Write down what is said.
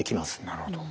なるほど。